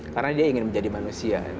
karena dia ingin menjadi manusia